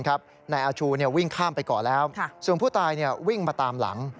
นายอาชูวิ่งข้ามไปก่อนแล้วส่วนผู้ตายวิ่งมาตามหลัง